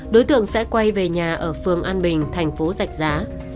đối tượng sẽ quay về nhà ở phường an bình thành phố giạch giá